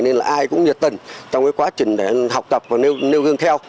nên là ai cũng nhiệt tình trong quá trình học tập và nêu gương theo